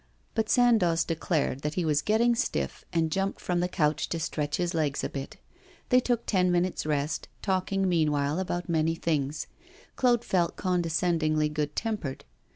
But Sandoz declared that he was getting stiff, and jumped from the couch to stretch his legs a bit. They took ten minutes' rest, talking meanwhile about many things. Claude felt condescendingly good tempered.